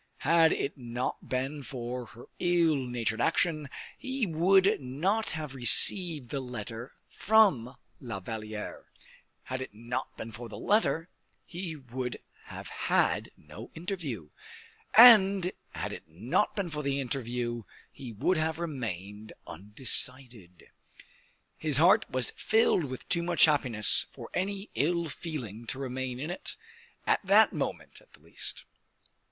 Had it not been for her ill natured action, he would not have received the letter from La Valliere; had it not been for the letter, he would have had no interview; and had it not been for the interview he would have remained undecided. His heart was filled with too much happiness for any ill feeling to remain in it, at that moment at least.